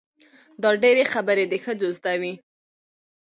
دا ډېرې خبرې د ښځو زده وي.